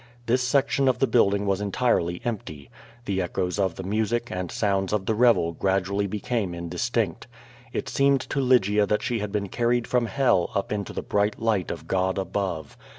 This section of the building was entirely empty. The echoes of the music and sounds of the revel gradually became indistinct. It seemed to Lygia that she had been carried from hell up into the bright light of God above.